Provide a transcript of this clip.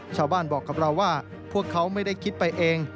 ชาวบ้านบอกกับเราว่าพวกเขาไม่ได้คิดไปเอง